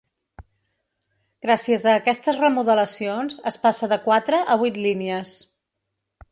Gràcies a aquestes remodelacions, es passa de quatre a vuit línies.